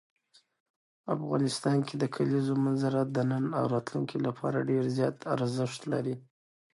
افغانستان کې د کلیزو منظره د نن او راتلونکي لپاره ډېر زیات ارزښت لري.